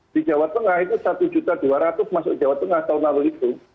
di jawa tengah itu satu dua ratus masuk jawa tengah tahun lalu itu